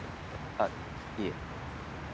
あっいえ。